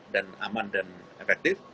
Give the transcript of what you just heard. dan aman dan efektif